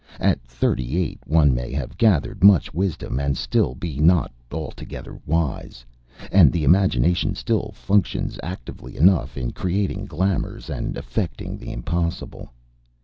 At thirty eight one may have gathered much wisdom and still be not altogether wise, and the imagination still functions actively enough in creating glamours and effecting the impossible.